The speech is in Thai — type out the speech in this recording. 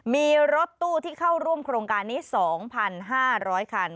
มีรถตู้ที่เข้าร่วมโครงการนี้๒๕๐๐คัน